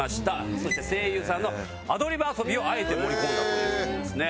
そして声優さんのアドリブ遊びをあえて盛り込んだという事ですね。